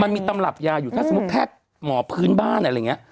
มันมีตำรับยาอยู่ถ้าสมมุติแพทย์หมอพื้นบ้านอะไรอย่างนี้